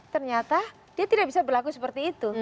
ternyata dia tidak bisa berlaku seperti itu